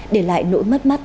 để lại nỗi mất mắt